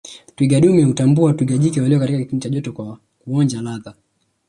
Twiga dume hutambua twiga jike walio katika kipindi cha joto kwa kuonja ladha